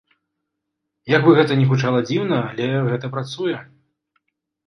Як бы гэта ні гучала дзіўна, але гэта працуе.